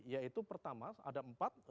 yaitu pertama ada empat